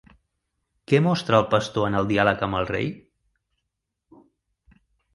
Què mostra el pastor en el diàleg amb el rei?